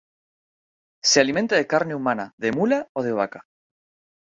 Se alimenta de carne humana, de mula o de vaca.